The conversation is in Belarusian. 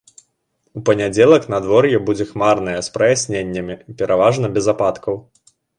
У панядзелак надвор'е будзе хмарнае з праясненнямі, пераважна без ападкаў.